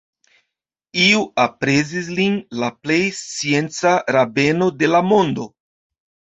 Iu aprezis lin la plej scienca rabeno de la mondo.